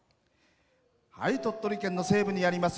鳥取県の西部にあります